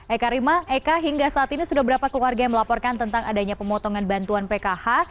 eka rima eka hingga saat ini sudah berapa keluarga yang melaporkan tentang adanya pemotongan bantuan pkh